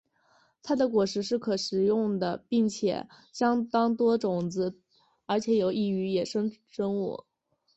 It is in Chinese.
它的果实是可食的并且相当多种子而且有益于野生生物。